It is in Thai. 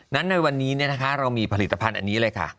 นั้นในวันนี้เนี่ยนะคะเรามีผลิตภัณฑ์อันนี้เลยค่ะ